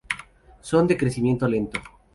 Son de crecimiento lento.